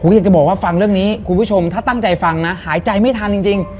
อยากจะบอกว่าฟังเรื่องนี้คุณผู้ชมถ้าตั้งใจฟังนะหายใจไม่ทันจริง